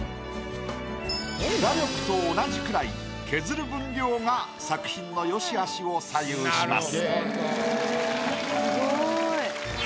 画力と同じくらい削る分量が作品の善しあしを左右します。